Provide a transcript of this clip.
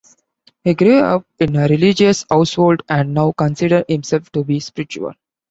He grew up in a religious household and now considers himself to be spiritual.